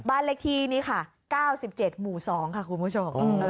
บ้านเลขที่นี่ค่ะ๙๗หมู่๒ค่ะคุณผู้ชม